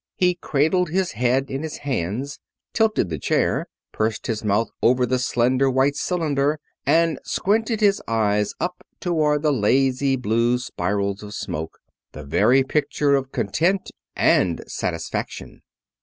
He cradled his head in his hands, tilted the chair, pursed his mouth over the slender white cylinder and squinted his eyes up toward the lazy blue spirals of smoke the very picture of content and satisfaction.